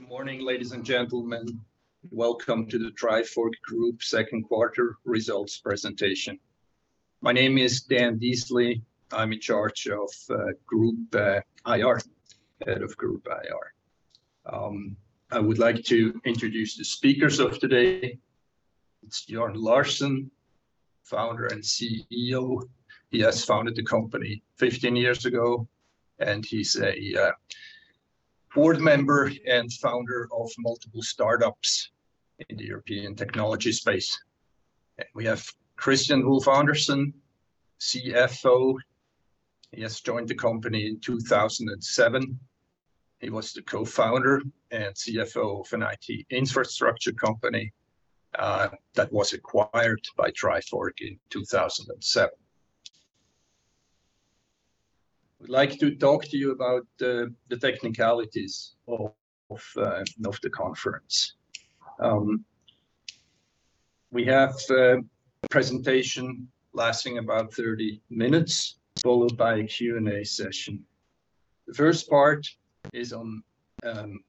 Good morning, ladies and gentlemen. Welcome to the Trifork Group Second Quarter Results Presentation. My name is Dan Dysli. I'm in charge of group IR, head of group IR. I would like to introduce the speakers of today. It's Jørn Larsen, founder and CEO. He has founded the company 15 years ago, and he's a board member and founder of multiple startups in the European technology space. We have Kristian Wulf-Andersen, CFO. He has joined the company in 2007. He was the co-founder and CFO of an IT infrastructure company that was acquired by Trifork in 2007. We'd like to talk to you about the technicalities of the conference. We have a presentation lasting about 30 minutes, followed by a Q&A session. The first part is on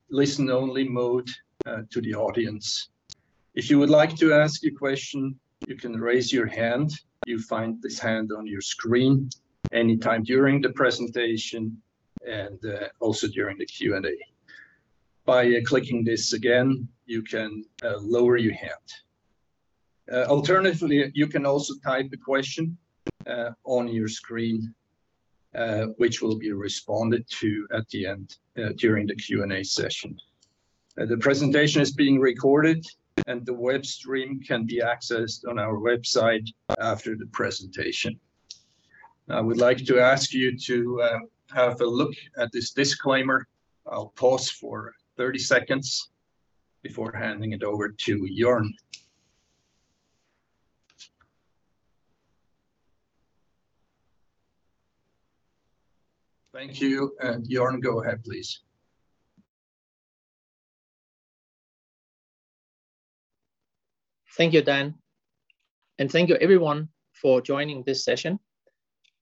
listen-only mode to the audience. If you would like to ask a question, you can raise your hand. You find this hand on your screen anytime during the presentation and also during the Q&A. By clicking this again, you can lower your hand. Alternatively, you can also type the question on your screen, which will be responded to at the end during the Q&A session. The presentation is being recorded, and the web stream can be accessed on our website after the presentation. I would like to ask you to have a look at this disclaimer. I'll pause for 30 seconds before handing it over to Jørn. Thank you. Jørn, go ahead, please. Thank you, Dan. Thank you everyone for joining this session.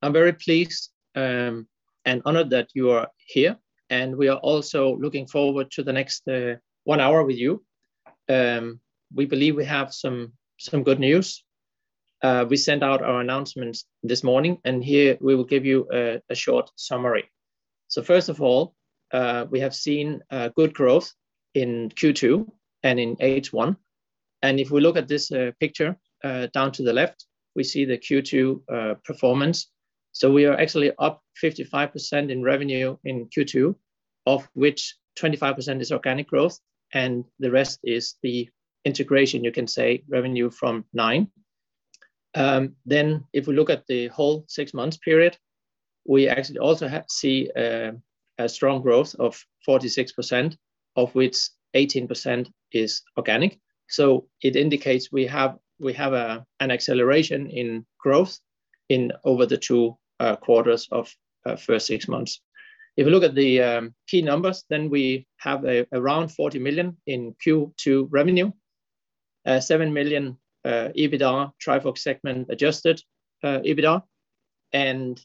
I'm very pleased and honored that you are here, and we are also looking forward to the next 1 hour with you. We believe we have some good news. We sent out our announcements this morning, and here we will give you a short summary. First of all, we have seen good growth in Q2 and in H1. If we look at this picture down to the left, we see the Q2 performance. We are actually up 55% in revenue in Q2, of which 25% is organic growth, and the rest is the integration, you can say, revenue from Nine. If we look at the whole 6 months period, we actually also see a strong growth of 46%, of which 18% is organic. It indicates we have an acceleration in growth in over the 2 quarters of first 6 months. If you look at the key numbers, we have around 40 million in Q2 revenue, 7 million EBITDA, Trifork segment adjusted EBITDA, and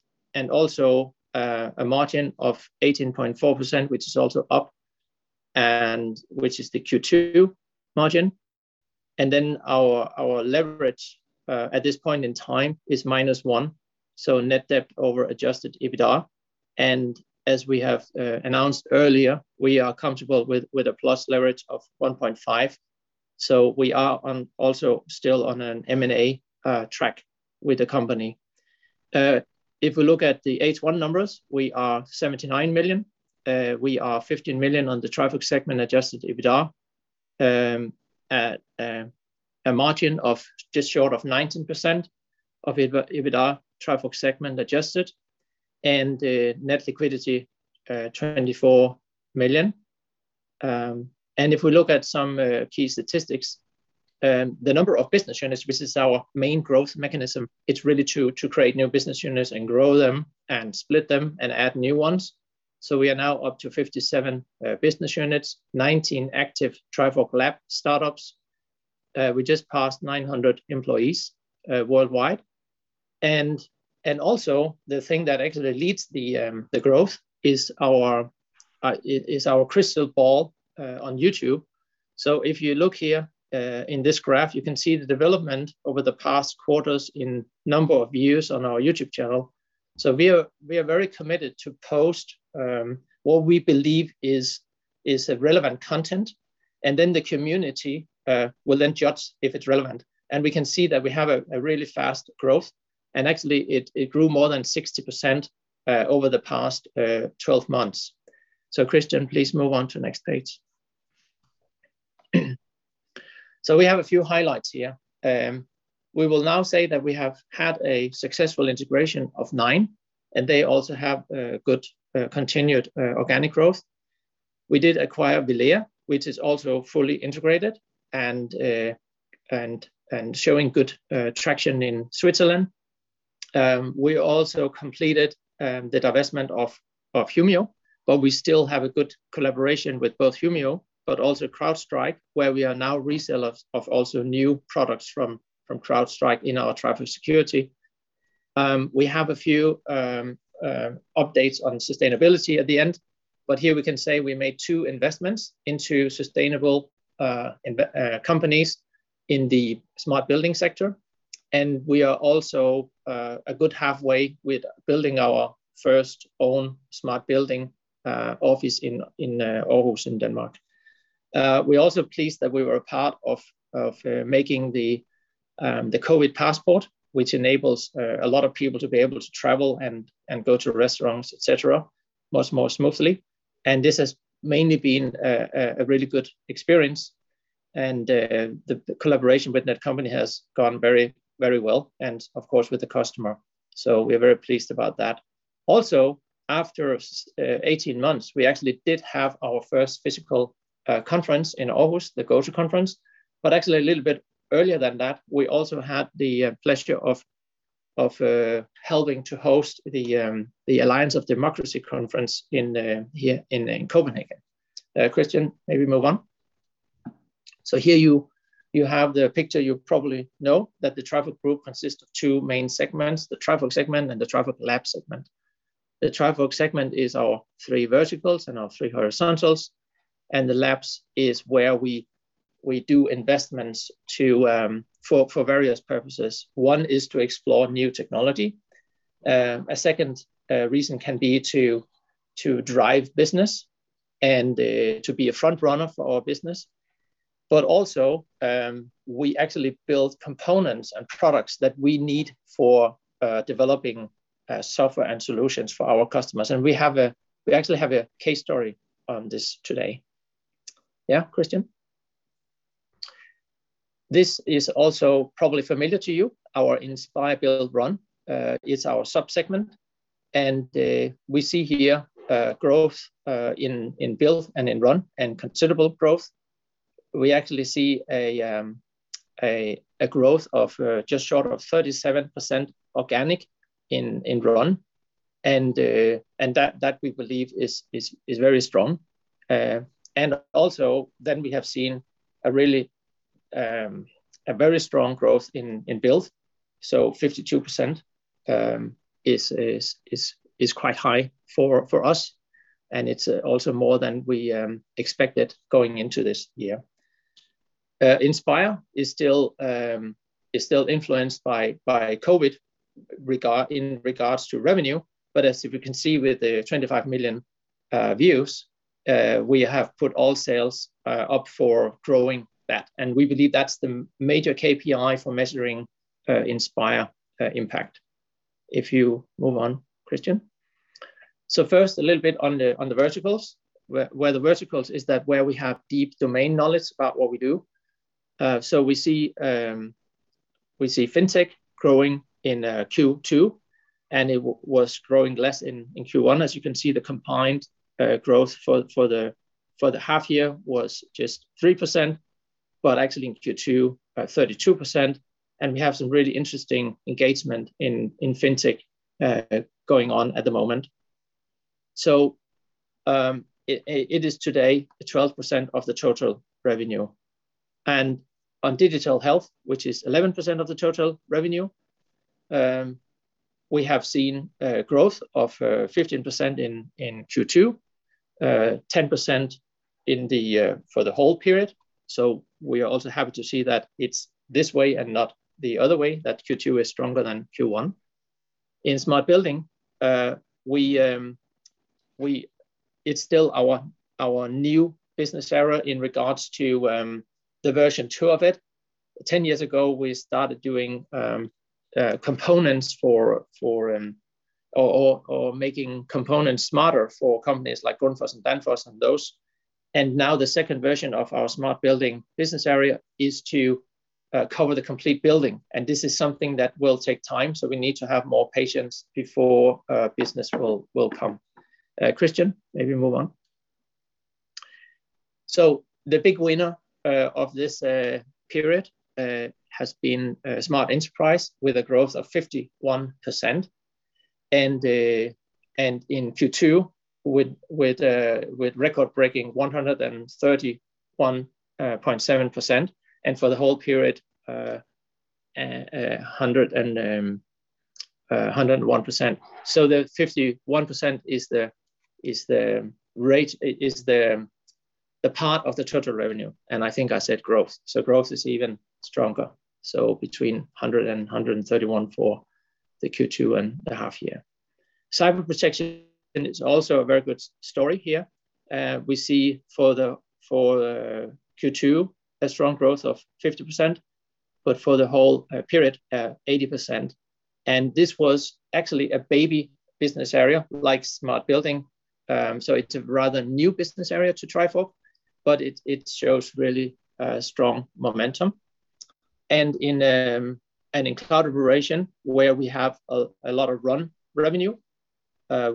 also a margin of 18.4%, which is also up and which is the Q2 margin. Our leverage at this point in time is -1, so net debt over adjusted EBITDA. As we have announced earlier, we are comfortable with a +1.5 leverage. We are on also still on an M&A track with the company. If we look at the H1 numbers, we are 79 million. We are 15 million on the Trifork segment adjusted EBITDA, at a margin of just short of 19% of EBITDA Trifork segment adjusted, and net liquidity, 24 million. If we look at some key statistics, the number of business units, which is our main growth mechanism, it is really to create new business units and grow them and split them and add new ones. We are now up to 57 business units, 19 active Trifork Lab startups. We just passed 900 employees worldwide. Also the thing that actually leads the growth is our crystal ball on YouTube. If you look here in this graph, you can see the development over the past quarters in number of views on our YouTube channel. We are very committed to post what we believe is a relevant content, and then the community will then judge if it is relevant. We can see that we have a really fast growth, and actually it grew more than 60% over the past 12 months. Kristian, please move on to the next page. We have a few highlights here. We will now say that we have had a successful integration of Nine A/S, and they also have good continued organic growth. We did acquire Vilea, which is also fully integrated and showing good traction in Switzerland. We also completed the divestment of Humio, but we still have a good collaboration with both Humio but also CrowdStrike, where we are now resellers of also new products from CrowdStrike in our Trifork security. We have a few updates on sustainability at the end, but here we can say we made two investments into sustainable companies in the smart building sector, and we are also a good halfway with building our first own smart building office in Aarhus in Denmark. We're also pleased that we were a part of making the Corona Passport, which enables a lot of people to be able to travel and go to restaurants, et cetera, much more smoothly. This has mainly been a really good experience, and the collaboration with that company has gone very well and of course, with the customer. We are very pleased about that. Also, after 18 months, we actually did have our first physical conference in Aarhus, the GOTO conference. Actually a little bit earlier than that, we also had the pleasure of helping to host the Alliance of Democracies conference here in Copenhagen. Kristian, maybe move on. Here you have the picture. You probably know that the Trifork Group consists of two main segments, the Trifork segment and the Trifork Labs segment. The Trifork segment is our three verticals and our three horizontals, and the labs is where we do investments for various purposes. One is to explore new technology. A second reason can be to drive business and to be a front runner for our business. Also, we actually build components and products that we need for developing software and solutions for our customers. We actually have a case story on this today. Yeah, Kristian? This is also probably familiar to you. Our Inspire-Build-Run is our sub-segment. We see here growth in build and in run and considerable growth. We actually see a growth of just short of 37% organic in run. That we believe is very strong. Also, then we have seen a very strong growth in build. 52% is quite high for us, and it's also more than we expected going into this year. Inspire is still influenced by COVID in regards to revenue, but as you can see with the 25 million views, we have put all sails up for growing that, and we believe that's the major KPI for measuring Inspire impact. If you move on, Kristian. First, a little bit on the verticals, where the verticals is that where we have deep domain knowledge about what we do. We see FinTech growing in Q2, and it was growing less in Q1. As you can see, the combined growth for the half year was just 3%, but actually in Q2, 32%, and we have some really interesting engagement in FinTech going on at the moment. It is today 12% of the total revenue. On digital health, which is 11% of the total revenue, we have seen growth of 15% in Q2, 10% for the whole period. We are also happy to see that it's this way and not the other way, that Q2 is stronger than Q1. In smart building, it's still our new business area in regards to the version 2 of it. 10 years ago, we started doing components or making components smarter for companies like Grundfos and Danfoss and those. Now the second version of our smart building business area is to cover the complete building, and this is something that will take time, so we need to have more patience before business will come. Kristian, maybe move on. The big winner of this period has been Smart Enterprise with a growth of 51%, and in Q2 with record-breaking 131.7%, and for the whole period, 101%. The 51% is the part of the total revenue, and I think I said growth. Growth is even stronger. Between 100% and 131% for the Q2 and the half year. Cyber protection is also a very good story here. We see for the Q2, a strong growth of 50%, but for the whole period, 80%. This was actually a baby business area like smart building, so it's a rather new business area to Trifork, but it shows really strong momentum. In cloud operation, where we have a lot of run revenue,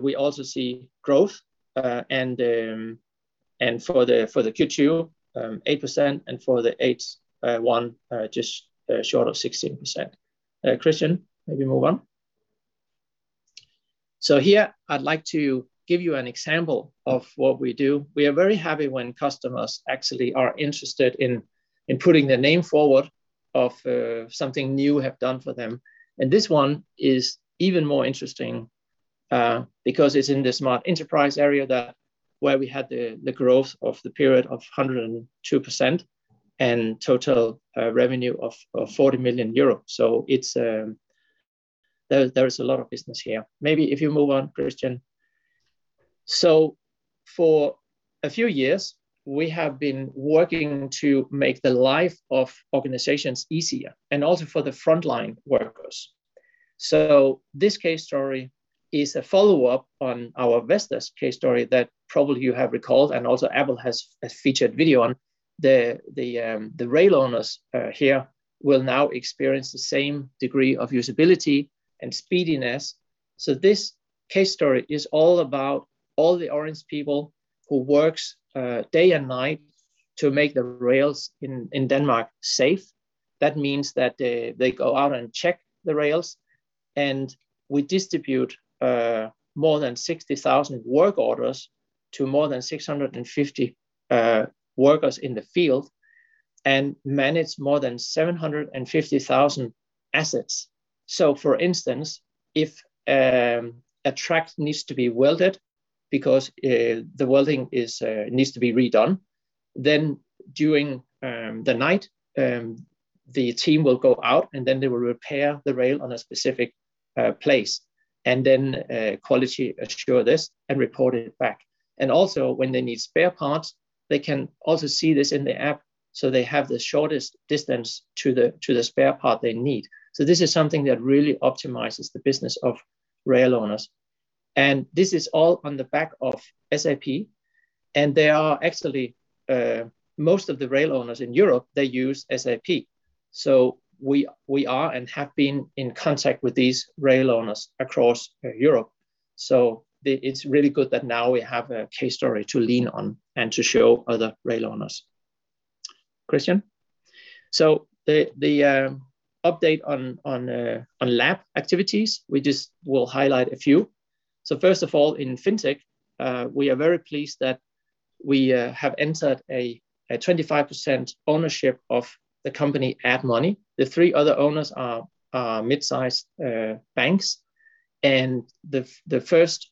we also see growth, and for the Q2, 8%, and for the H1 just short of 16%. Kristian, maybe move on. Here I'd like to give you an example of what we do. We are very happy when customers actually are interested in putting their name forward of something new have done for them. This one is even more interesting, because it's in the smart enterprise area where we had the growth of the period of 102% and total revenue of 40 million euros. There is a lot of business here. Maybe if you move on, Kristian. For a few years, we have been working to make the life of organizations easier and also for the frontline workers. This case story is a follow-up on our Vestas case story that probably you have recalled, and also Apple has a featured video on. The rail owners here will now experience the same degree of usability and speediness. This case story is all about all the Orange people who works day and night to make the rails in Denmark safe. That means that they go out and check the rails, and we distribute more than 60,000 work orders to more than 650 workers in the field and manage more than 750,000 assets. For instance, if a track needs to be welded because the welding needs to be redone, then during the night, the team will go out, and then they will repair the rail on a specific place, and then quality assure this and report it back. Also, when they need spare parts, they can also see this in the app, so they have the shortest distance to the spare part they need. This is something that really optimizes the business of rail owners. This is all on the back of SAP, and they are actually, most of the rail owners in Europe, they use SAP. We are, and have been in contact with these rail owners across Europe. It's really good that now we have a case story to lean on and to show other rail owners. Kristian. The update on lab activities, we just will highlight a few. First of all, in FinTech, we are very pleased that we have entered a 25% ownership of the company &Money. The three other owners are mid-size banks, and the first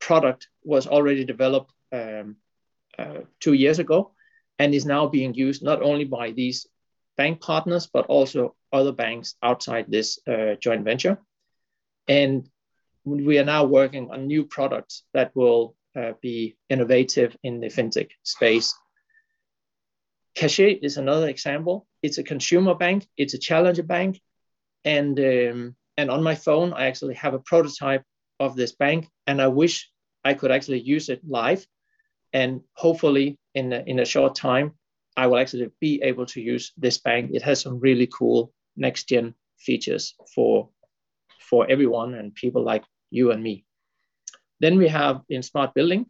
product was already developed two years ago and is now being used not only by these bank partners, but also other banks outside this joint venture. We are now working on new products that will be innovative in the FinTech space. Kashet is another example. It's a consumer bank. It's a challenger bank. On my phone, I actually have a prototype of this bank, and I wish I could actually use it live. Hopefully in a short time, I will actually be able to use this bank. It has some really cool next-gen features for everyone and people like you and me. We have in smart building.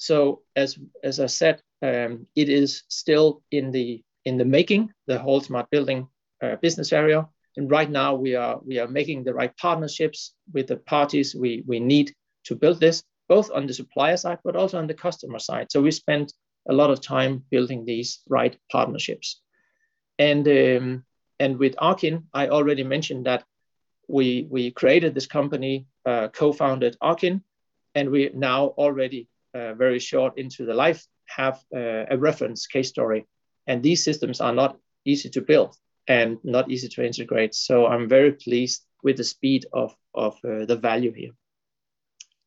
As I said, it is still in the making, the whole smart building business area. Right now, we are making the right partnerships with the parties we need to build this, both on the supplier side, but also on the customer side. We spent a lot of time building these right partnerships. With Arkyn, I already mentioned that we created this company, co-founded Arkyn, and we now already very short into the life have a reference case story. These systems are not easy to build and not easy to integrate. I'm very pleased with the speed of the value here.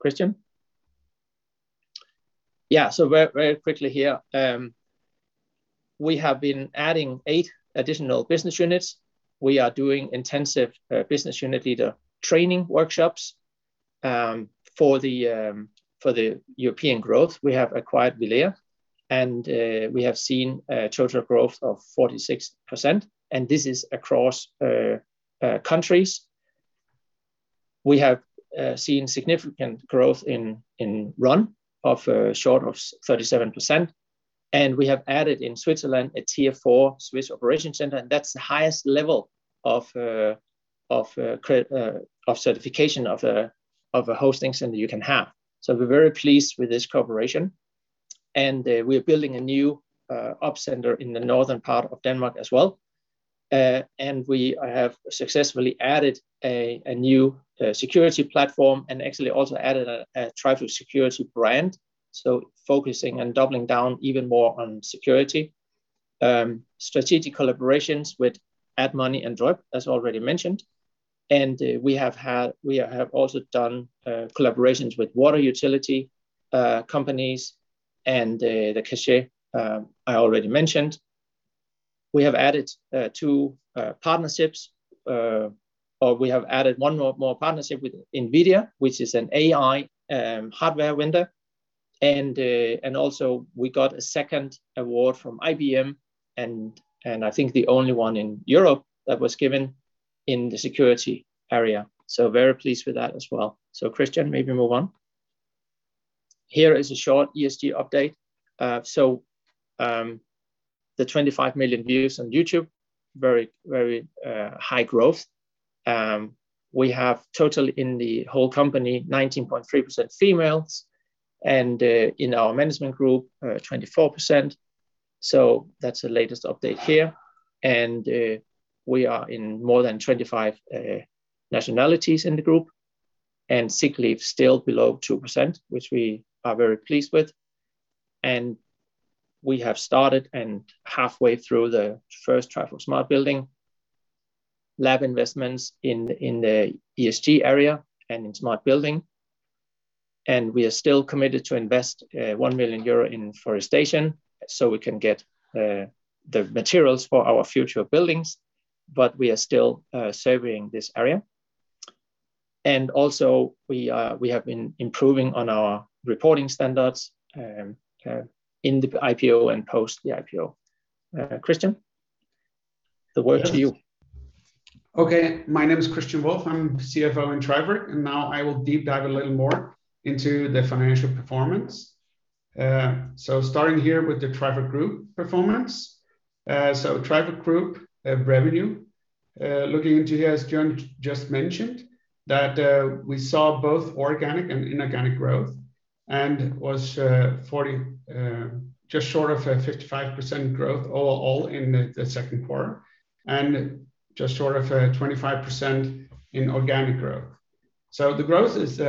Kristian. Yeah. Very quickly here. We have been adding 8 additional business units. We are doing intensive business unit leader training workshops. For the European growth, we have acquired Vilea, and we have seen a total growth of 46%, and this is across countries. We have seen significant growth in RUN of short of 37%, and we have added in Switzerland a Tier IV Swiss operation center, and that's the highest level of certification of a hosting center you can have. We're very pleased with this cooperation, and we are building a new op center in the northern part of Denmark as well. We have successfully added a new security platform and actually also added a Trifork security brand, so focusing and doubling down even more on security. Strategic collaborations with &Money and Dropp, as already mentioned. We have also done collaborations with water utility companies and the Kashet I already mentioned. We have added two partnerships, or we have added one more partnership with NVIDIA, which is an AI hardware vendor. Also we got a second award from IBM, and I think the only one in Europe that was given in the security area. Very pleased with that as well. Kristian, maybe move on. Here is a short ESG update. The 25 million views on YouTube, very high growth. We have total in the whole company, 19.3% females, and in our management group, 24%. That's the latest update here. We are in more than 25 nationalities in the group. Sick leave still below 2%, which we are very pleased with. We have started and halfway through the first Trifork Smart Building lab investments in the ESG area and in smart building. We are still committed to invest 1 million euro in forestation so we can get the materials for our future buildings, but we are still surveying this area. Also we have been improving on our reporting standards in the IPO and post the IPO. Christian, the word to you. Okay. My name is Kristian Wulf-Andersen. I'm CFO in Trifork. Now I will deep dive a little more into the financial performance. Starting here with the Trifork Group performance. Trifork Group revenue, looking into here, as Jørn just mentioned, that we saw both organic and inorganic growth and was just short of a 55% growth all in the second quarter, and just short of a 25% in organic growth. The growth is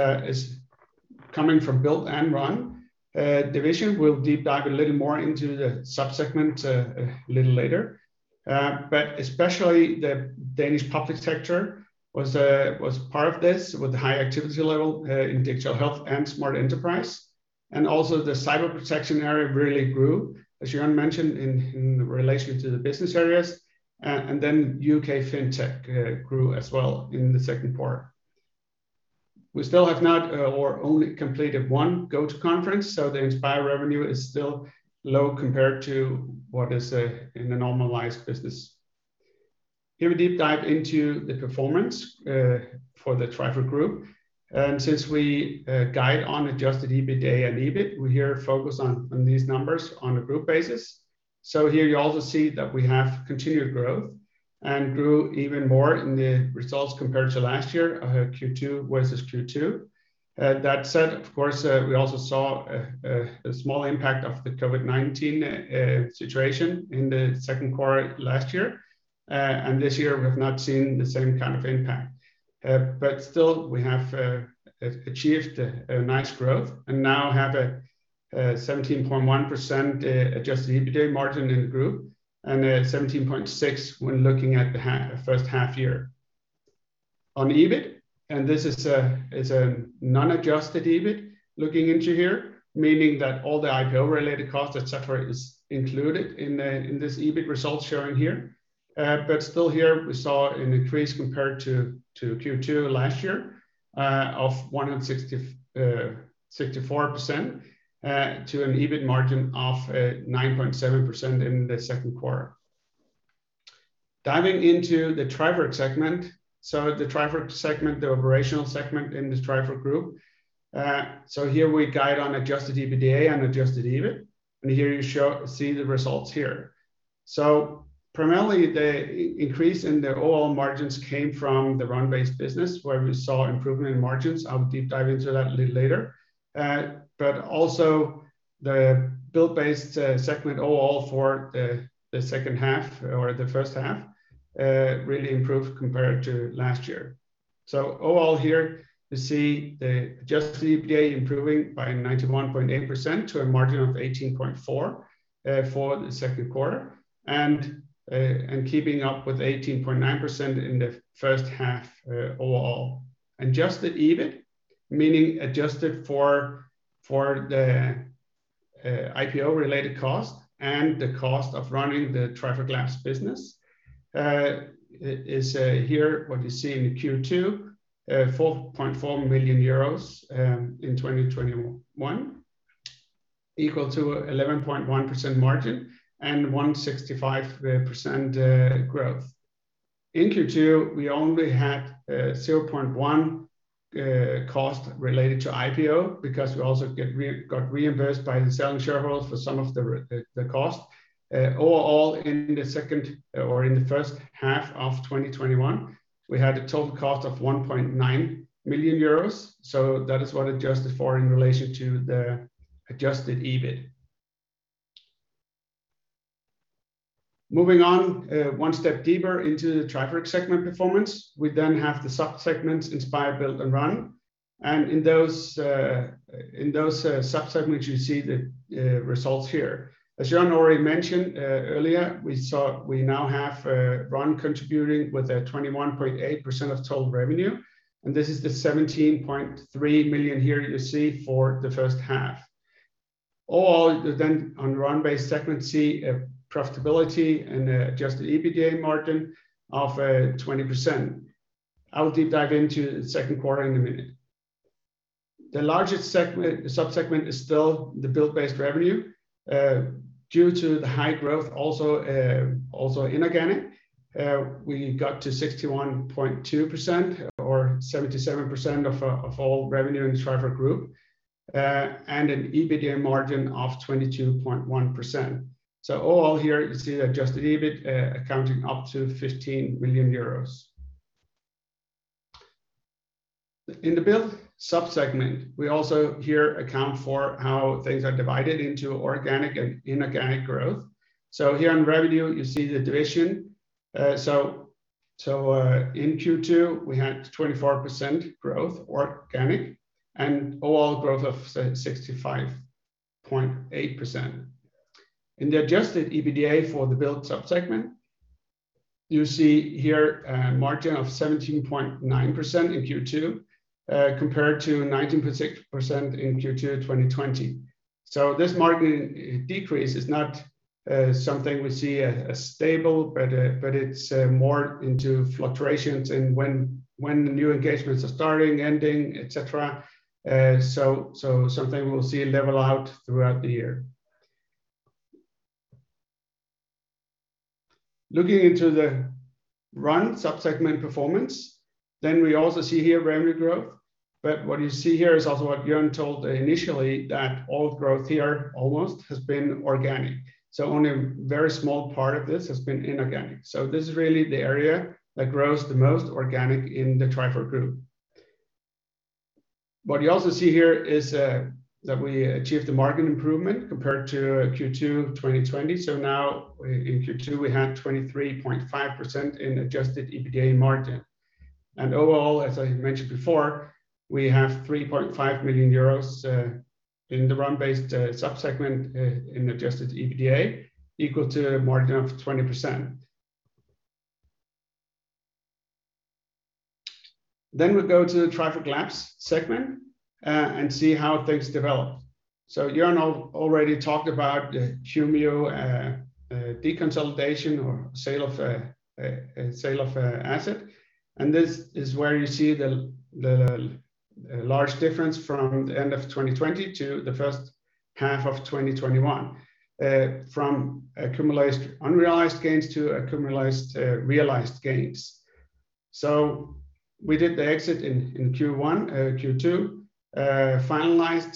coming from build and run division. We'll deep dive a little more into the sub-segment a little later. Especially the Danish public sector was part of this with the high activity level in digital health and smart enterprise, and also the cyber protection area really grew, as Jørn mentioned, in relation to the business areas. Then U.K. FinTech grew as well in the second quarter. We still have not or only completed one GOTO conference, so the Inspire revenue is still low compared to what is in the normalized business. Here, a deep dive into the performance for the Trifork Group. Since we guide on adjusted EBITDA and EBIT, we here focus on these numbers on a Group basis. Here you also see that we have continued growth and grew even more in the results compared to last year, Q2 versus Q2. That said, of course, we also saw a small impact of the COVID-19 situation in the second quarter last year. This year we have not seen the same kind of impact. Still we have achieved a nice growth and now have a 17.1% adjusted EBITDA margin in the Group and a 17.6% when looking at the first half year. On EBIT, this is a non-adjusted EBIT looking into here, meaning that all the IPO-related cost, et cetera, is included in this EBIT results showing here. Still here we saw an increase compared to Q2 last year of 164% to an EBIT margin of 9.7% in the second quarter. Diving into the Trifork segment. The Trifork segment, the operational segment in this Trifork Group. Here we guide on adjusted EBITDA and adjusted EBIT, and here you see the results here. Primarily, the increase in the overall margins came from the run-based business where we saw improvement in margins. I'll deep dive into that a little later. Also the build-based segment overall for the second half or the first half really improved compared to last year. Overall here, you see the adjusted EBITDA improving by 91.8% to a margin of 18.4% for the second quarter, and keeping up with 18.9% in the first half overall. Adjusted EBIT, meaning adjusted for the IPO-related cost and the cost of running the Trifork Labs business, is here what you see in the Q2, 4.4 million euros in 2021 equal to 11.1% margin and 165% growth. In Q2, we only had 0.1 cost related to IPO because we also got reimbursed by the selling shareholders for some of the cost. Overall, in the second or in the first half of 2021, we had a total cost of 1.9 million euros. That is what adjusted for in relation to the adjusted EBIT. Moving on one step deeper into the Trifork segment performance. The sub-segments Inspire, Build and Run. In those sub-segments, you see the results here. As Jørn already mentioned earlier, we now have Run contributing with a 21.8% of total revenue, and this is the 17.3 million here you see for the first half. All on Run-based segment see a profitability and adjusted EBITDA margin of 20%. I'll deep dive into the second quarter in a minute. The largest sub-segment is still the Build-based revenue. Due to the high growth, also inorganic, we got to 61.2% or 77% of all revenue in Trifork Group, and an EBITDA margin of 22.1%. All here you see adjusted EBIT accounting up to 15 million euros. In the Build sub-segment, we also here account for how things are divided into organic and inorganic growth. Here in revenue, you see the division. In Q2, we had 24% growth organic and overall growth of 65.8%. In the adjusted EBITDA for the build sub-segment, you see here a margin of 17.9% in Q2, compared to 19% in Q2 2020. This margin decrease is not something we see as stable, but it's more into fluctuations in when the new engagements are starting, ending, et cetera. Something we'll see level out throughout the year. Looking into the run sub-segment performance, we also see here revenue growth. What you see here is also what Jørn Larsen told initially, that all growth here almost has been organic. Only a very small part of this has been inorganic. This is really the area that grows the most organic in the Trifork Group. What you also see here is that we achieved a margin improvement compared to Q2 2020. Now in Q2, we had 23.5% in adjusted EBITDA margin. Overall, as I mentioned before, we have 3.5 million euros in the run-based sub-segment in adjusted EBITDA, equal to a margin of 20%. We go to the Trifork Labs segment, and see how things develop. Jørn already talked about Humio deconsolidation or sale of asset. This is where you see the large difference from the end of 2020 to the first half of 2021, from accumulated unrealized gains to accumulated realized gains. We did the exit in Q2, finalized.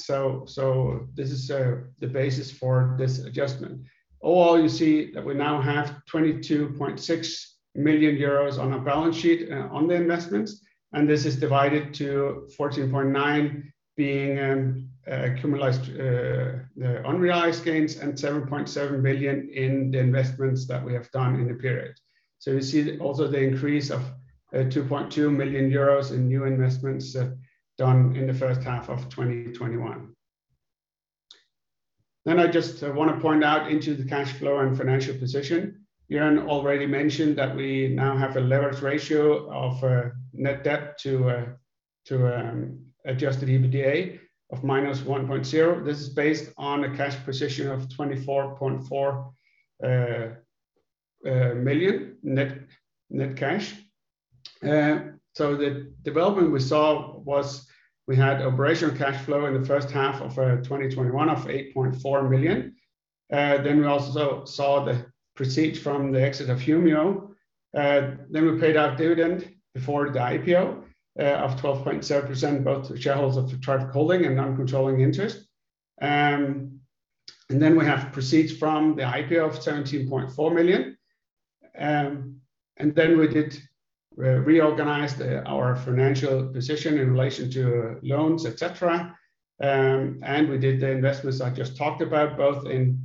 This is the basis for this adjustment. You see that we now have 22.6 million euros on our balance sheet on the investments, and this is divided into 14.9 million being accumulated unrealized gains and 7.7 million in the investments that we have done in the period. You see also the increase of 2.2 million euros in new investments done in the first half of 2021. I just want to point out into the cash flow and financial position. Jørn Larsen already mentioned that we now have a leverage ratio of net debt to adjusted EBITDA of -1.0. This is based on a cash position of 24.4 million net cash. The development we saw was we had operational cash flow in the first half of 2021 of 8.4 million. We also saw the proceeds from the exit of Humio. We paid our dividend before the IPO of 12.7%, both shareholders of Trifork Holding and non-controlling interest. We have proceeds from the IPO of 17.4 million. We did reorganize our financial position in relation to loans, et cetera. We did the investments I just talked about, both in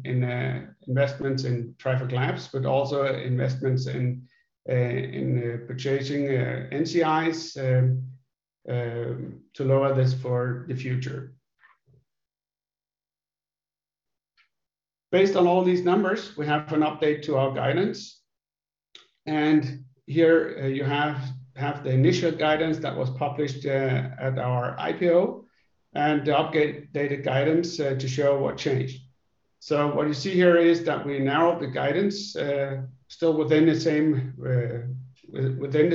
investments in Trifork Labs, but also investments in purchasing NCIs to lower this for the future. Based on all these numbers, we have an update to our guidance. Here you have the initial guidance that was published at our IPO and the updated guidance to show what changed. What you see here is that we narrowed the guidance, still within the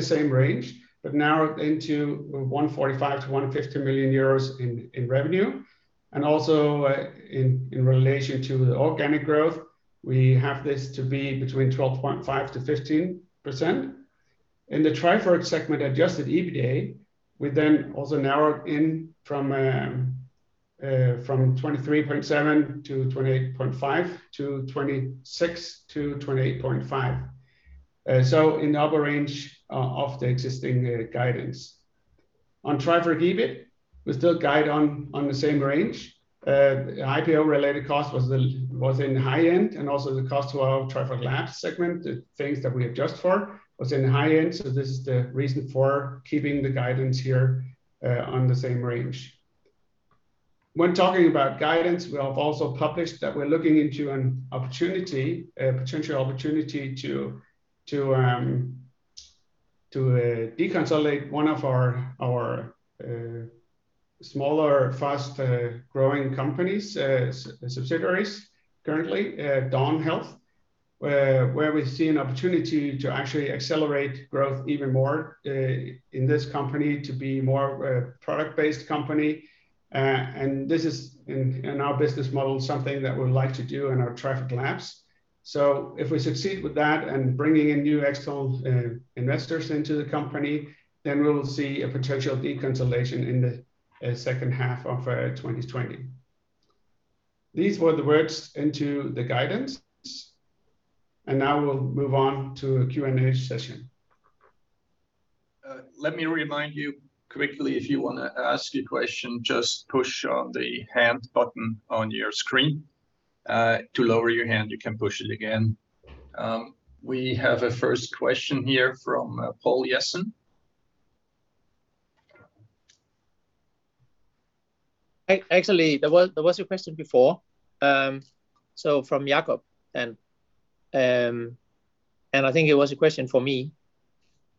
same range, but narrowed into 145 million-150 million euros in revenue. Also in relation to the organic growth, we have this to be between 12.5%-15%. In the Trifork segment, adjusted EBITDA, we also narrowed in from 23.7 million-28.5 million to 26 million-28.5 million. In the upper range of the existing guidance. On Trifork EBIT, we still guide on the same range. IPO-related cost was in the high end and also the cost to our Trifork Labs segment, the things that we adjust for, was in the high end. This is the reason for keeping the guidance here on the same range. When talking about guidance, we have also published that we're looking into a potential opportunity to deconsolidate one of our smaller, fast-growing companies, subsidiaries currently, Dawn Health, where we see an opportunity to actually accelerate growth even more in this company, to be more a product-based company. This is in our business model, something that we would like to do in our Trifork Labs. If we succeed with that and bringing in new external investors into the company, then we will see a potential deconsolidation in the second half of 2020. These were the words into the guidance. Now we'll move on to a Q&A session. Let me remind you quickly, if you want to ask a question, just push the hand button on your screen. To lower your hand, you can push it again. We have a first question here from Poul Jessen. Actually, there was a question before from Jacob, and I think it was a question for me,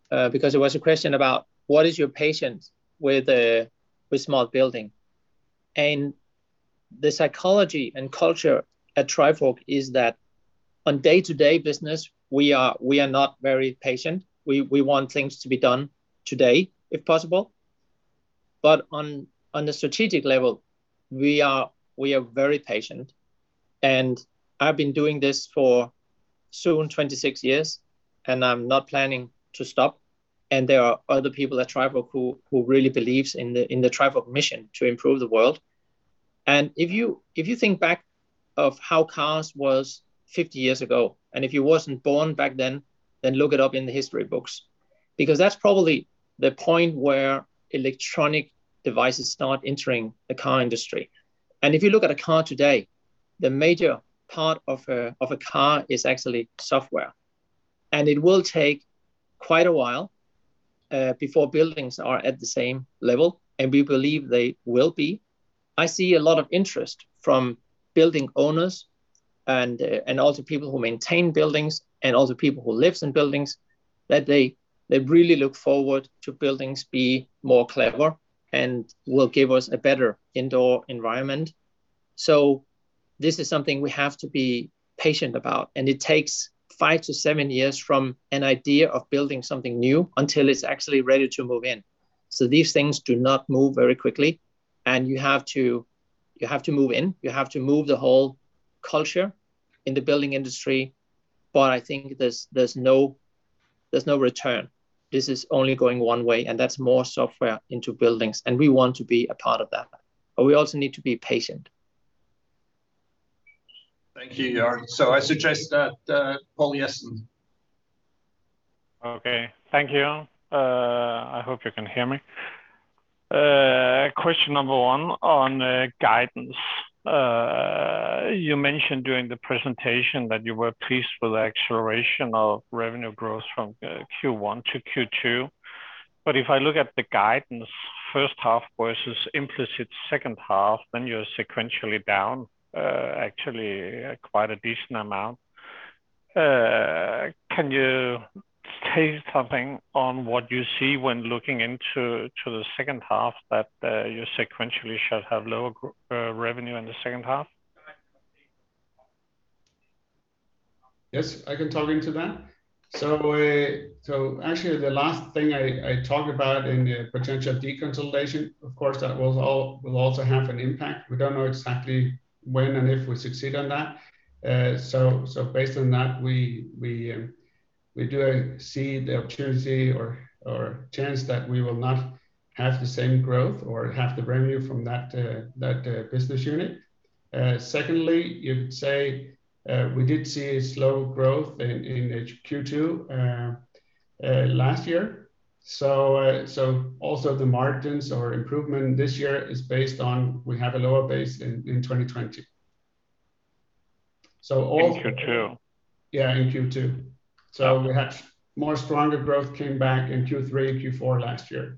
because it was a question about: what is your patience with smart building? The psychology and culture at Trifork is that on day-to-day business, we are not very patient. We want things to be done today if possible. On the strategic level, we are very patient. I've been doing this for soon 26 years, and I'm not planning to stop. There are other people at Trifork who really believes in the Trifork mission to improve the world. If you think back of how cars was 50 years ago, and if you wasn't born back then look it up in the history books, because that's probably the point where electronic devices start entering the car industry. If you look at a car today, the major part of a car is actually software. It will take quite a while before buildings are at the same level, and we believe they will be. I see a lot of interest from building owners and also people who maintain buildings, and also people who live in buildings, that they really look forward to buildings be more clever and will give us a better indoor environment. This is something we have to be patient about, and it takes five to seven years from an idea of building something new until it's actually ready to move in. These things do not move very quickly, and you have to move in. You have to move the whole culture in the building industry. I think there's no return. This is only going one way, and that's more software into buildings, and we want to be a part of that, but we also need to be patient. Thank you, Jørn. I suggest that Poul Jessen. Okay. Thank you. I hope you can hear me. Question number 1 on guidance. You mentioned during the presentation that you were pleased with the acceleration of revenue growth from Q1 to Q2. If I look at the guidance 1st half versus implicit 2nd half, then you're sequentially down actually quite a decent amount. Can you say something on what you see when looking into the 2nd half that you sequentially should have lower revenue in the 2nd half? Yes, I can talk into that. Actually, the last thing I talked about in the potential deconsolidation, of course, that will also have an impact. We don't know exactly when and if we succeed on that. Based on that, we do see the opportunity or chance that we will not have the same growth or have the revenue from that business unit. Secondly, you say we did see a slow growth in Q2 last year. Also the margins or improvement this year is based on we have a lower base in 2020. In Q2? Yeah, in Q2. We had more stronger growth came back in Q3, Q4 last year.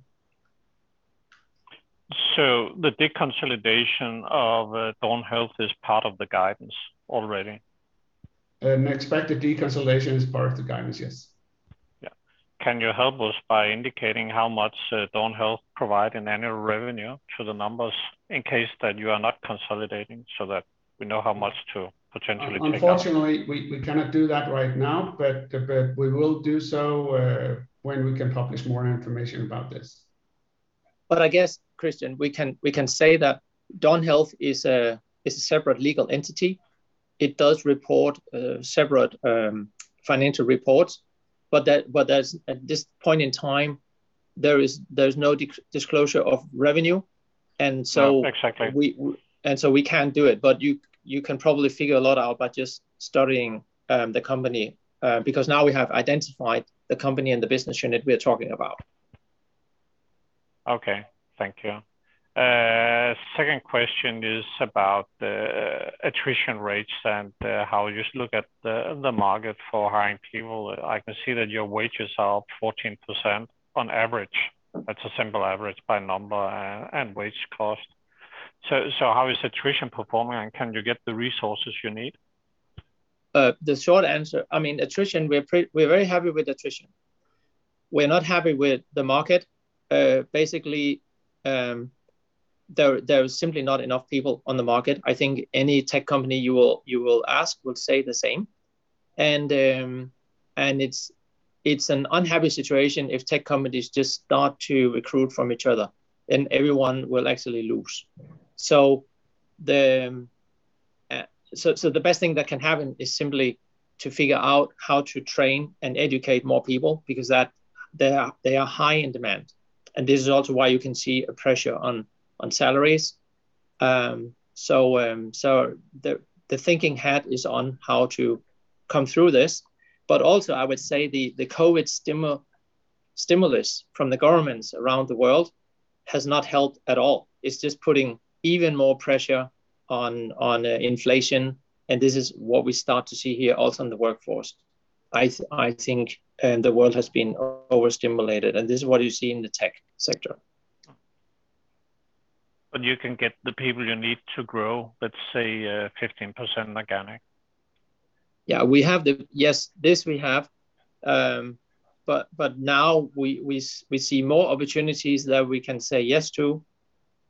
The deconsolidation of Dawn Health is part of the guidance already? Expected deconsolidation is part of the guidance, yes. Yeah. Can you help us by indicating how much Dawn Health provide in annual revenue to the numbers in case that you are not consolidating so that we know how much to potentially pick up? Unfortunately, we cannot do that right now, but we will do so when we can publish more information about this. I guess, Kristian, we can say that Dawn Health is a separate legal entity. It does report separate financial reports. At this point in time, there's no disclosure of revenue. Exactly We can't do it. You can probably figure a lot out by just studying the company, because now we have identified the company and the business unit we are talking about. Okay. Thank you. Second question is about attrition rates and how you look at the market for hiring people. I can see that your wages are up 14% on average. That's a simple average by number and wage cost. How is attrition performing, and can you get the resources you need? The short answer, attrition, we're very happy with attrition. We're not happy with the market. Basically, there is simply not enough people on the market. I think any tech company you will ask will say the same. It's an unhappy situation if tech companies just start to recruit from each other, then everyone will actually lose. The best thing that can happen is simply to figure out how to train and educate more people, because they are high in demand, and this is also why you can see a pressure on salaries. The thinking hat is on how to come through this. Also, I would say the COVID-19 stimulus from the governments around the world has not helped at all. It's just putting even more pressure on inflation, and this is what we start to see here also in the workforce. I think the world has been over-stimulated, and this is what you see in the tech sector. you can get the people you need to grow, let's say, 15% organic? Yes, this we have. Now we see more opportunities that we can say yes to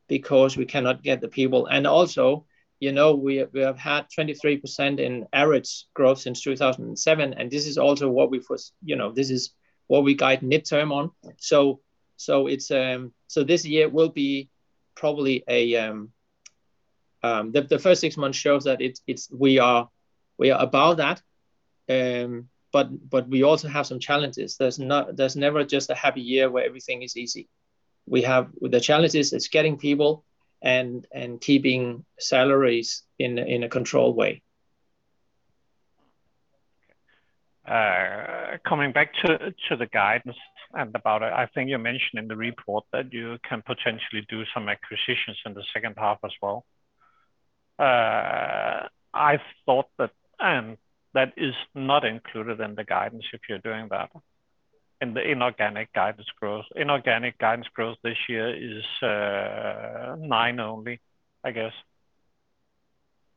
because we cannot get the people. Also, we have had 23% in average growth since 2007, and this is also what we guide midterm on. The first six months shows that we are above that. We also have some challenges. There's never just a happy year where everything is easy. The challenge is it's getting people and keeping salaries in a controlled way. Coming back to the guidance and about it, I think you mentioned in the report that you can potentially do some acquisitions in the second half as well. I thought that is not included in the guidance if you're doing that, in the inorganic guidance growth. Inorganic guidance growth this year is 9% only, I guess.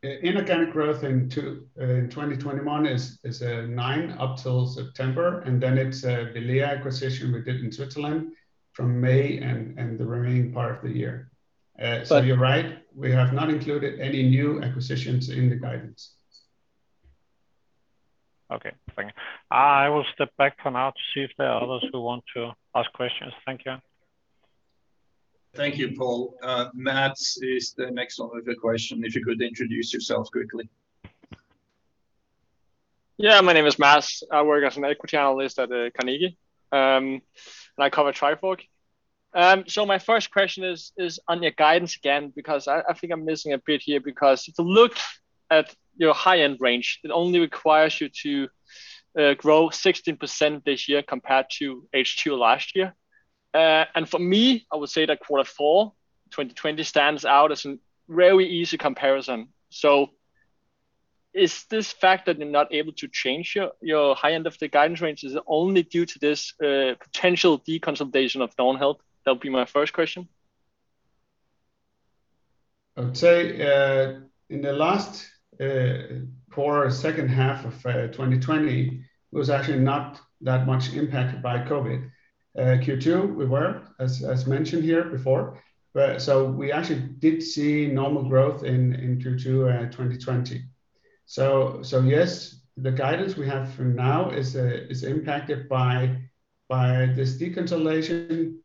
Inorganic growth in 2021 is nine up till September, and then it's the Vilea acquisition we did in Switzerland from May and the remaining part of the year. You're right, we have not included any new acquisitions in the guidance. Okay, thank you. I will step back for now to see if there are others who want to ask questions. Thank you. Thank you, Poul. Mads is the next one with a question, if you could introduce yourself quickly. My name is Mads. I work as an equity analyst at Carnegie, and I cover Trifork. My first question is on your guidance again, because I think I'm missing a bit here because if you look at your high-end range, it only requires you to grow 16% this year compared to H2 last year. For me, I would say that quarter four 2020 stands out as a very easy comparison. Is this fact that you're not able to change your high end of the guidance range is only due to this potential deconsolidation of Dawn Health? That'll be my first question. I would say in the last quarter, second half of 2020, was actually not that much impacted by COVID. Q2, we were, as mentioned here before. We actually did see normal growth in Q2 2020. Yes, the guidance we have for now is impacted by this deconsolidation.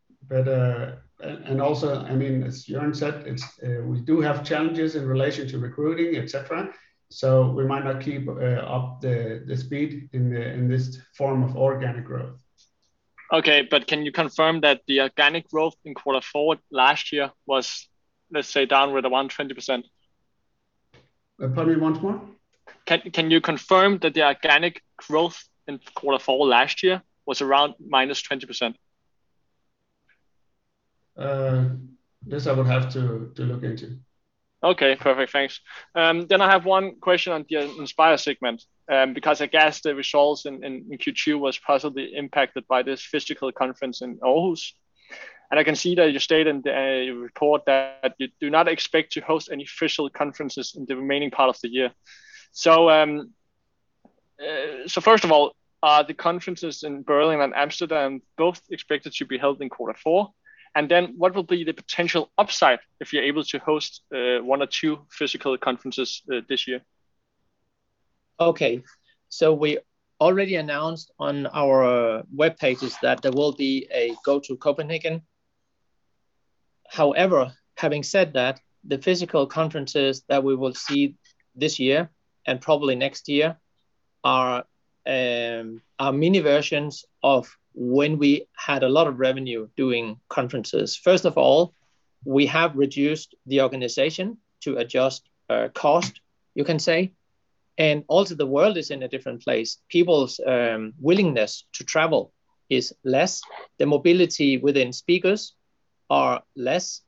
Also, as Jørn said, we do have challenges in relation to recruiting, et cetera, so we might not keep up the speed in this form of organic growth. Okay. Can you confirm that the organic growth in quarter 4 last year was, let's say, down with around 20%? Pardon me, once more. Can you confirm that the organic growth in quarter four last year was around -20%? This I would have to look into. Okay, perfect. Thanks. I have one question on the Inspire segment, because I guess the results in Q2 was possibly impacted by this physical conference in Aarhus, and I can see that you state in the report that you do not expect to host any physical conferences in the remaining part of the year. First of all, are the conferences in Berlin and Amsterdam both expected to be held in quarter four? What will be the potential upside if you're able to host one or two physical conferences this year? Okay. We already announced on our webpages that there will be a GOTO Copenhagen. However, having said that, the physical conferences that we will see this year and probably next year are mini versions of when we had a lot of revenue doing conferences. First of all, we have reduced the organization to adjust cost, you can say, and also the world is in a different place. People's willingness to travel is less. The mobility within speakers are less.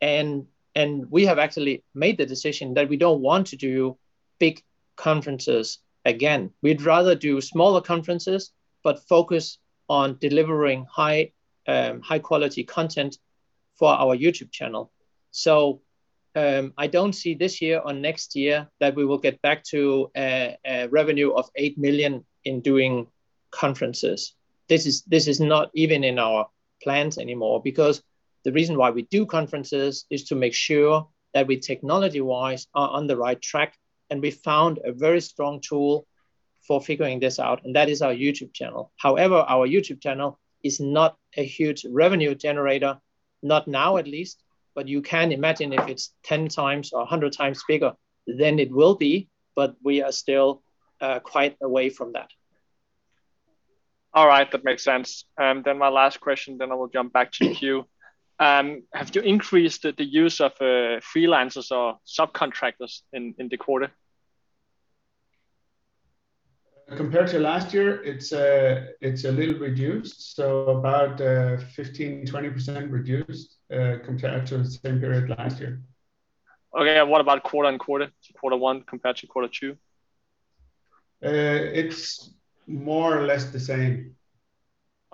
We have actually made the decision that we don't want to do big conferences again. We'd rather do smaller conferences, but focus on delivering high-quality content for our YouTube channel. I don't see this year or next year that we will get back to a revenue of 8 million in doing conferences. This is not even in our plans anymore because the reason why we do conferences is to make sure that we, technology-wise, are on the right track, and we found a very strong tool for figuring this out, and that is our YouTube channel. However, our YouTube channel is not a huge revenue generator, not now at least, but you can imagine if it's 10x or 100x bigger, then it will be, but we are still quite away from that. All right. That makes sense. My last question, I will jump back to queue. Have you increased the use of freelancers or subcontractors in the quarter? Compared to last year? It's a little reduced, so about 15%, 20% reduced, compared to the same period last year. Okay. What about quarter-on-quarter? Quarter 1 compared to Quarter 2? It's more or less the same.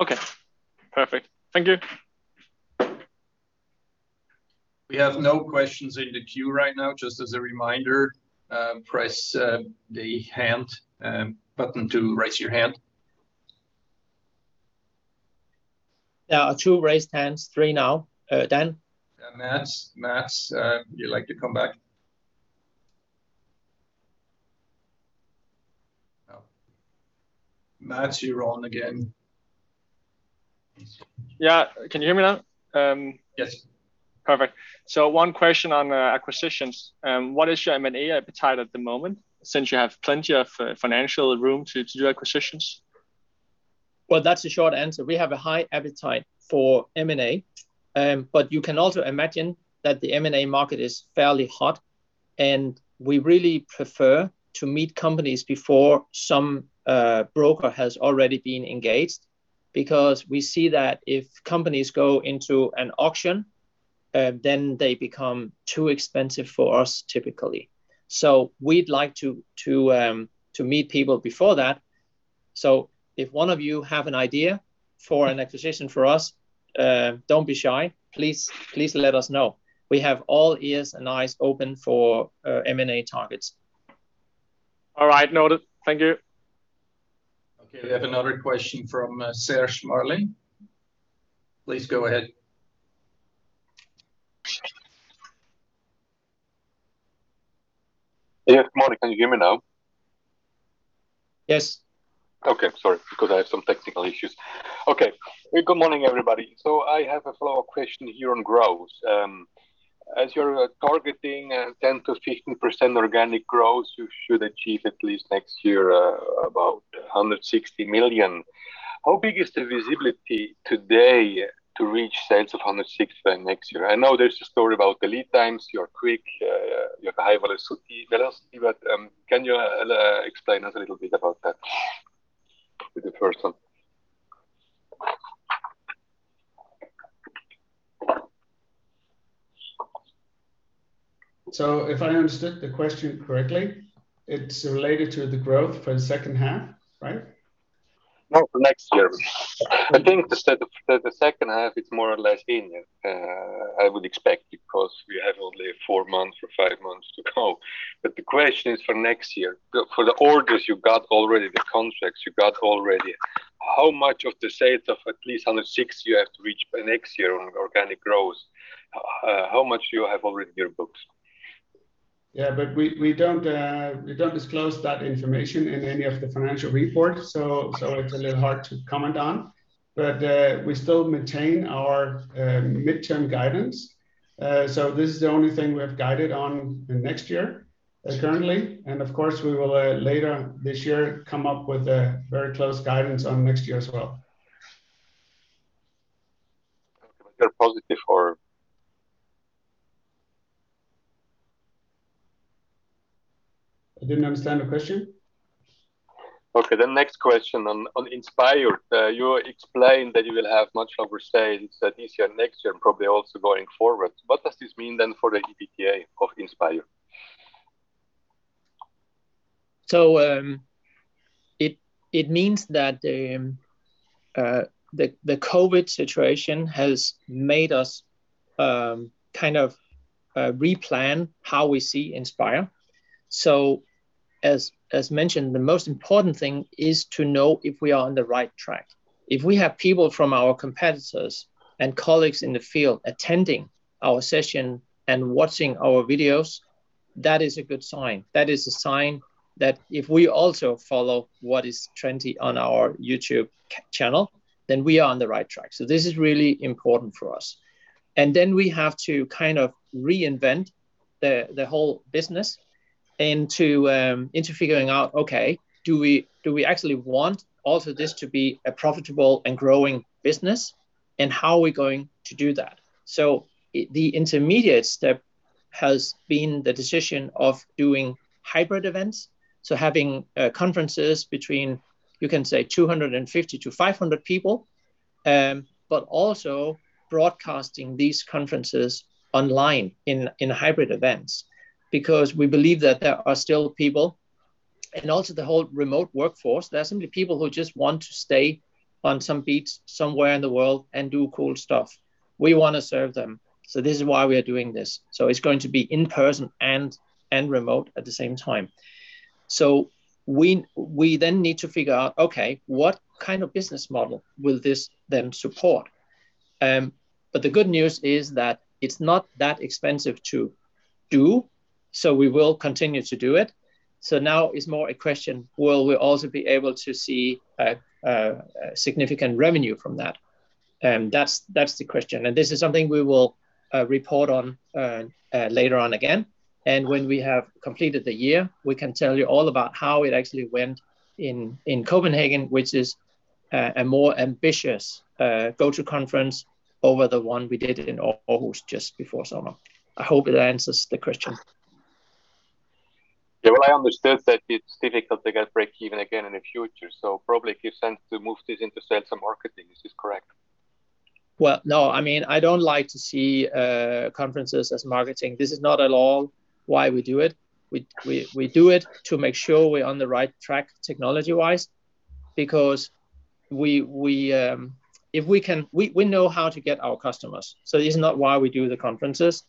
Okay. Perfect. Thank you. We have no questions in the queue right now. Just as a reminder, press the hand button to raise your hand. There are two raised hands, three now. Dan? Mads. Mads, would you like to come back? No. Mads, you're on again. Yeah. Can you hear me now? Yes. Perfect. One question on acquisitions. What is your M&A appetite at the moment since you have plenty of financial room to do acquisitions? That's the short answer. We have a high appetite for M&A, you can also imagine that the M&A market is fairly hot, we really prefer to meet companies before some broker has already been engaged, we see that if companies go into an auction, they become too expensive for us typically. We'd like to meet people before that. If one of you have an idea for an acquisition for us, don't be shy. Please let us know. We have all ears and eyes open for M&A targets. All right. Noted. Thank you. Okay. We have another question from Serge Marlin. Please go ahead. Yes. Morten, can you hear me now? Yes. Okay. Sorry, because I have some technical issues. Okay. Good morning, everybody. I have a follow-up question here on growth. As you're targeting 10%-15% organic growth, you should achieve at least next year about 160 million. How big is the visibility today to reach sales of 160 by next year? I know there's a story about the lead times, you're quick, you have a high velocity. Can you explain us a little bit about that with the first one? If I understood the question correctly, it's related to the growth for the second half, right? No, for next year. I think the second half, it's more or less in, I would expect, because we have only four months or five months to go. The question is for next year. For the orders you got already, the contracts you got already, how much of the sales of at least 106 you have to reach by next year on organic growth? How much do you have already in your books? We don't disclose that information in any of the financial reports, it's a little hard to comment on. We still maintain our midterm guidance. This is the only thing we have guided on in next year currently. Of course, we will later this year come up with a very close guidance on next year as well. You're positive for. I didn't understand the question. Next question on Inspire. You explained that you will have much longer sales this year, next year, and probably also going forward. What does this mean then for the EBITDA of Inspire? It means that the COVID situation has made us kind of replan how we see Inspire. As mentioned, the most important thing is to know if we are on the right track. If we have people from our competitors and colleagues in the field attending our session and watching our videos, that is a good sign. That is a sign that if we also follow what is trendy on our YouTube channel, then we are on the right track. This is really important for us. We have to kind of reinvent the whole business into figuring out, okay, do we actually want also this to be a profitable and growing business? How are we going to do that? The intermediate step has been the decision of doing hybrid events, having conferences between, you can say, 250-500 people, but also broadcasting these conferences online in hybrid events because we believe that there are still people. And also the whole remote workforce. There are simply people who just want to stay on some beach somewhere in the world and do cool stuff. We want to serve them. This is why we are doing this. It's going to be in person and remote at the same time. We then need to figure out, okay, what kind of business model will this then support? The good news is that it's not that expensive to do, so we will continue to do it. Now it's more a question, will we also be able to see a significant revenue from that? That's the question, and this is something we will report on later on again. When we have completed the year, we can tell you all about how it actually went in Copenhagen, which is a more ambitious GOTO conference over the one we did in August just before summer. I hope it answers the question. Yeah. Well, I understood that it is difficult to get break even again in the future, so probably it gives sense to move this into sales and marketing. Is this correct? No. I don't like to see conferences as marketing. This is not at all why we do it. We do it to make sure we're on the right track technology-wise, because we know how to get our customers, so this is not why we do the conferences.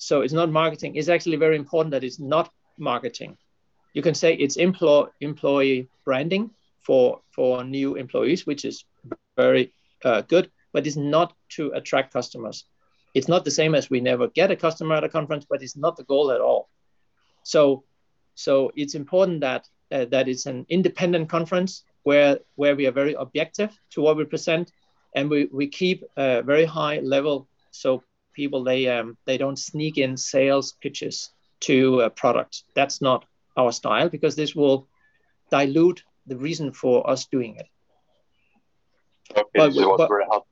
It's not marketing. It's actually very important that it's not marketing. You can say it's employee branding for new employees, which is very good, but it's not to attract customers. It's not the same as we never get a customer at a conference, but it's not the goal at all. It's important that it's an independent conference where we are very objective to what we present, and we keep a very high level so people, they don't sneak in sales pitches to a product. That's not our style, because this will dilute the reason for us doing it. Okay. That was very helpful.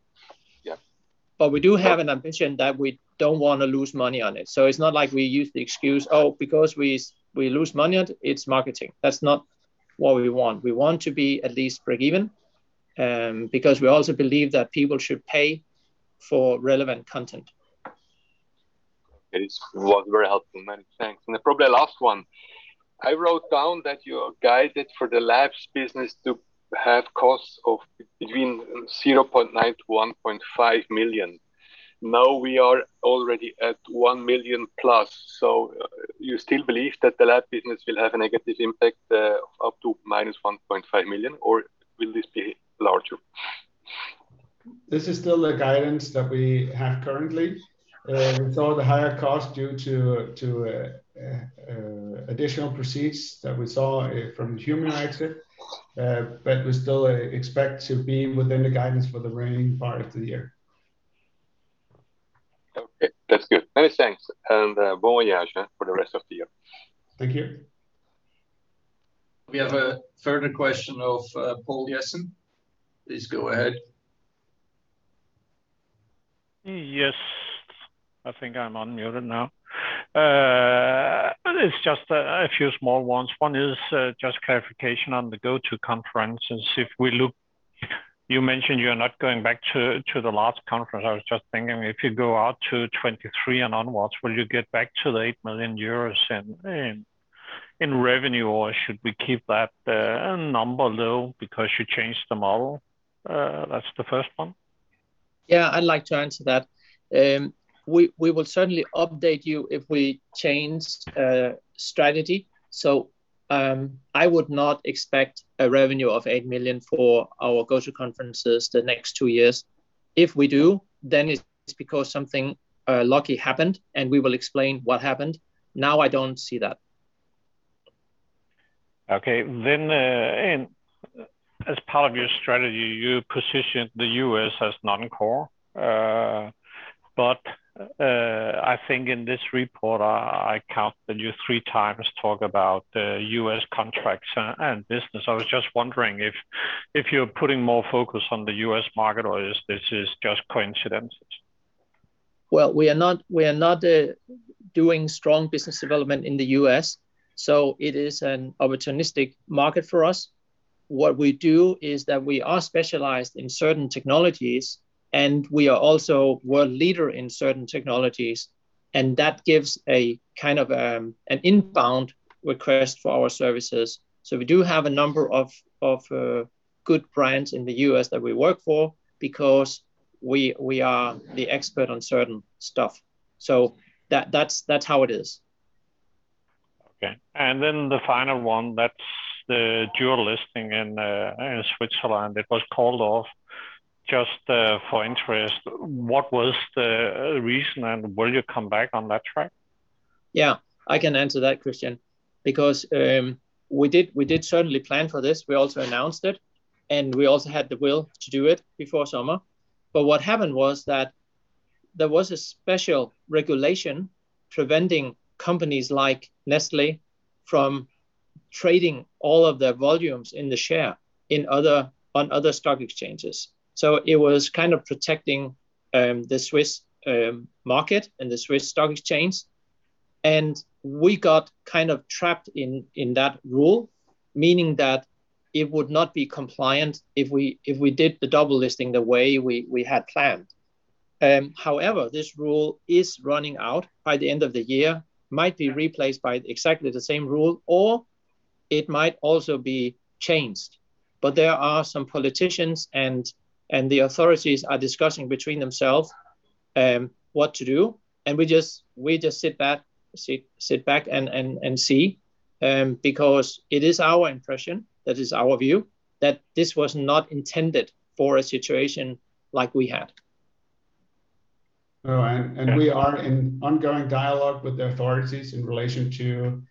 Yeah. We do have an ambition that we don't want to lose money on it. It's not like we use the excuse, "Oh, because we lose money on it's marketing." That's not what we want. We want to be at least break even, because we also believe that people should pay for relevant content. It was very helpful. Many thanks. Probably last one. I wrote down that you are guided for the Trifork Labs to have costs of between 0.9 million-1.5 million. Now we are already at 1 million+. You still believe that the Trifork Labs will have a negative impact of up to -1.5 million, or will this be larger? This is still the guidance that we have currently. We saw the higher cost due to additional proceeds that we saw from Humio exit, we still expect to be within the guidance for the remaining part of the year. Okay. That's good. Many thanks, and bon voyage for the rest of the year. Thank you. We have a further question of Poul Jessen. Please go ahead. Yes. I think I'm unmuted now. It's just a few small ones. One is just clarification on the GOTO conferences. You mentioned you're not going back to the last conference. I was just thinking, if you go out to 2023 and onwards, will you get back to 8 million euros in revenue, or should we keep that number low because you changed the model? That's the first one. Yeah. I'd like to answer that. We will certainly update you if we change strategy. I would not expect a revenue of 8 million for our GOTO conferences the next two years. If we do, then it's because something lucky happened, and we will explain what happened. Now I don't see that. As part of your strategy, you position the U.S. as non-core. I think in this report, I counted you three times talk about U.S. contracts and business. I was just wondering if you're putting more focus on the U.S. market, or is this just coincidences? Well, we are not doing strong business development in the U.S., so it is an opportunistic market for us. What we do is that we are specialized in certain technologies, and we are also world leader in certain technologies, and that gives a kind of an inbound request for our services. We do have a number of good brands in the U.S. that we work for because we are the expert on certain stuff. That's how it is. Okay. The final one, that's the dual listing in Switzerland. It was called off. Just for interest, what was the reason, and will you come back on that track? Yeah. I can answer that Kristian. We did certainly plan for this. We also announced it, and we also had the will to do it before summer. What happened was that there was a special regulation preventing companies like Nestlé from trading all of their volumes in the share on other stock exchanges. It was kind of protecting the Swiss market and the Swiss stock exchange. We got kind of trapped in that rule, meaning that it would not be compliant if we did the double listing the way we had planned. However, this rule is running out by the end of the year, might be replaced by exactly the same rule, or it might also be changed. There are some politicians, and the authorities are discussing between themselves what to do, and we just sit back and see. It is our impression, that is our view, that this was not intended for a situation like we had. All right. We are in ongoing dialogue with the authorities in relation to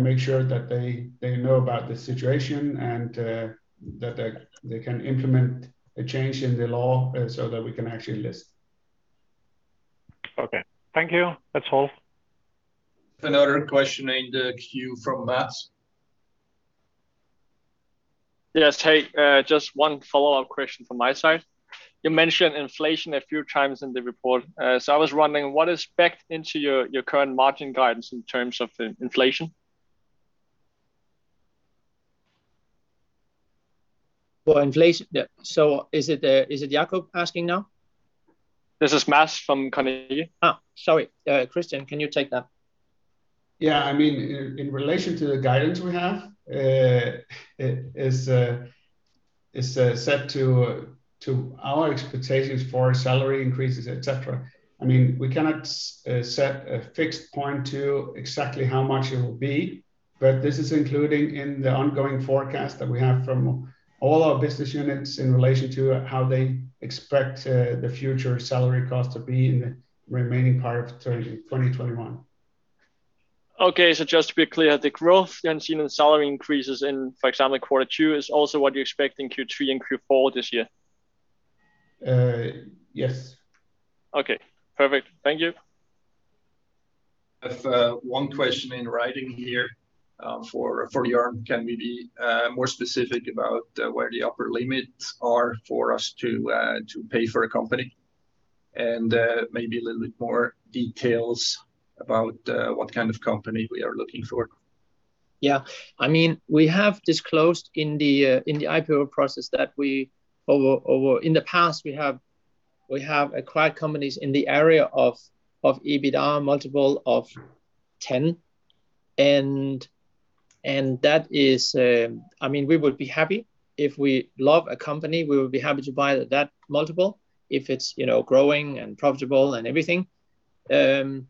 make sure that they know about the situation, and that they can implement a change in the law so that we can actually list. Okay. Thank you. That's all. Another question in the queue from Mads. Yes. Hey, just one follow-up question from my side. You mentioned inflation a few times in the report. I was wondering what is baked into your current margin guidance in terms of the inflation? For inflation. Is it Jacob asking now? This is Mads from Carnegie. Oh, sorry. Kristian, can you take that? Yeah. In relation to the guidance we have, it's set to our expectations for salary increases, et cetera. We cannot set a fixed point to exactly how much it will be, but this is including in the ongoing forecast that we have from all our business units in relation to how they expect the future salary cost to be in the remaining part of 2021. Okay. Just to be clear, the growth and salary increases in, for example, Quarter 2 is also what you expect in Q3 and Q4 this year? Yes. Okay, perfect. Thank you. I have one question in writing here for Jørn Larsen. Can we be more specific about where the upper limits are for us to pay for a company? Maybe a little bit more details about what kind of company we are looking for. Yeah. We have disclosed in the IPO process that in the past we have acquired companies in the area of EBITDA multiple of 10x, we would be happy if we love a company, we would be happy to buy at that multiple if it's growing and profitable and everything. There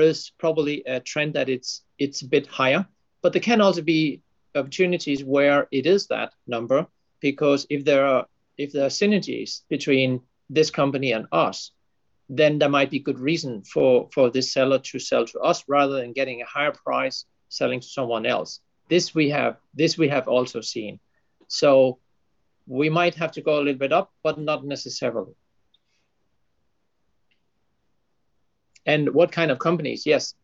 is probably a trend that it's a bit higher, but there can also be opportunities where it is that number because if there are synergies between this company and us, then there might be good reason for this seller to sell to us rather than getting a higher price selling to someone else. This we have also seen. We might have to go a little bit up, but not necessarily. What kind of companies? Yes.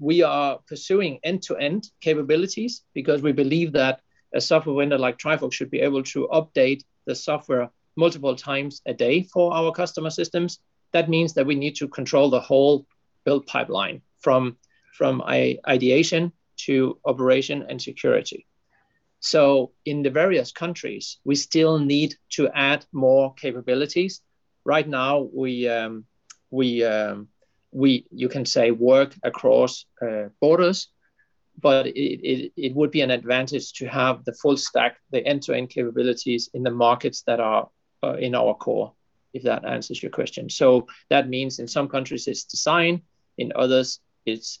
We are pursuing end-to-end capabilities because we believe that a software vendor like Trifork should be able to update the software multiple times a day for our customer systems. That means that we need to control the whole build pipeline from ideation to operation and security. In the various countries, we still need to add more capabilities. Right now, we you can say work across borders, but it would be an advantage to have the full stack, the end-to-end capabilities in the markets that are in our core, if that answers your question. That means in some countries it's design, in others, it's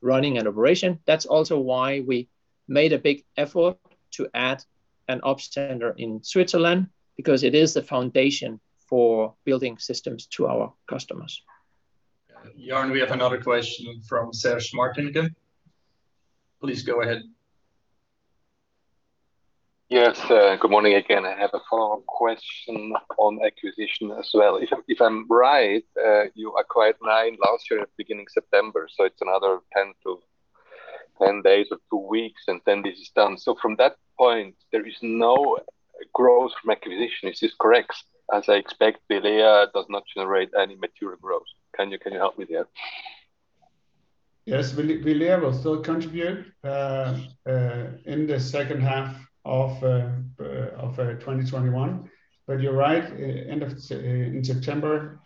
running an operation. That's also why we made a big effort to add an ops center in Switzerland because it is the foundation for building systems to our customers. Jørn Larsen, we have another question from Serge Martindale. Please go ahead. Yes. Good morning again. I have a follow-up question on acquisition as well. If I'm right, you acquired Nine A/S last year at beginning September, so it's another 10 days or two weeks, and then this is done. From that point, there is no growth from acquisition. Is this correct? As I expect, Vilea does not generate any material growth. Can you help me there? Yes. Vilea will still contribute in the second half of 2021. You're right, end of September,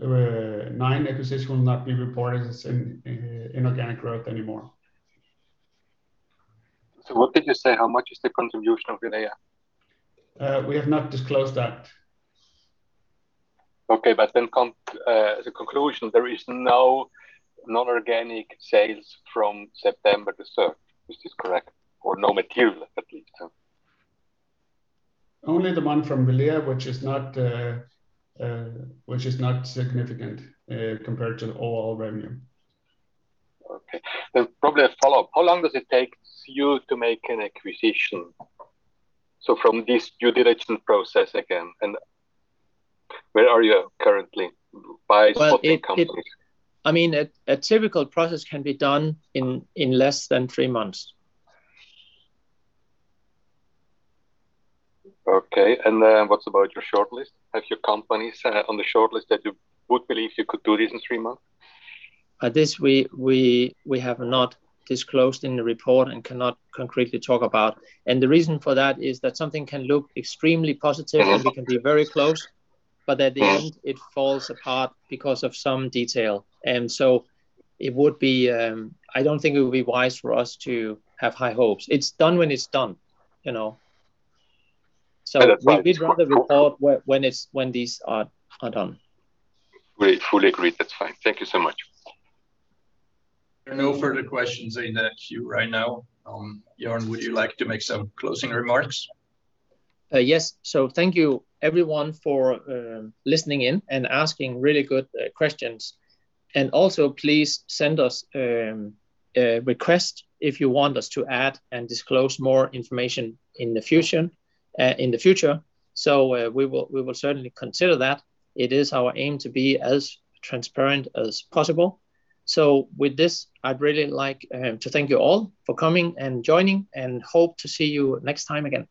Nine acquisitions will not be reported as inorganic growth anymore. What did you say? How much is the contribution of Vilea? We have not disclosed that. Okay, as a conclusion, there is no non-organic sales from September 3rd. Is this correct? Or no material, at least. Only the one from Vilea, which is not significant compared to the overall revenue. Okay. Probably a follow-up. How long does it take you to make an acquisition? From this due diligence process again, and where are you currently by spotting companies? A typical process can be done in less than three months. Okay. What about your shortlist? Have you companies on the shortlist that you would believe you could do this in 3 months? This we have not disclosed in the report and cannot concretely talk about. The reason for that is that something can look extremely positive, and we can be very close, but at the end it falls apart because of some detail. I don't think it would be wise for us to have high hopes. It's done when it's done. We'd rather report when these are done. We fully agree. That's fine. Thank you so much. There are no further questions in the queue right now. Jørn Larsen, would you like to make some closing remarks? Yes. Thank you everyone for listening in and asking really good questions. Also, please send us a request if you want us to add and disclose more information in the future. We will certainly consider that. It is our aim to be as transparent as possible. With this, I'd really like to thank you all for coming and joining, and hope to see you next time again.